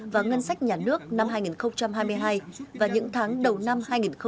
và ngân sách nhà nước năm hai nghìn hai mươi hai và những tháng đầu năm hai nghìn hai mươi bốn